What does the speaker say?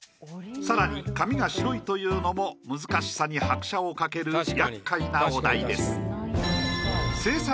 更に紙が白いというのも難しさに拍車をかけるやっかいなお題です。